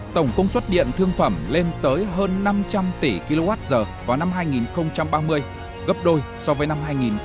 tổng công suất điện thương phẩm lên tới hơn năm trăm linh tỷ kwh vào năm hai nghìn ba mươi gấp đôi so với năm hai nghìn một mươi